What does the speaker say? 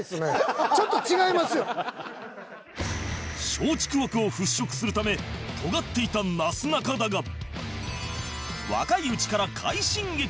松竹枠を払拭するためとがっていたなすなかだが若いうちから快進撃！